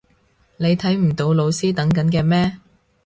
你睇唔到老師等緊嘅咩？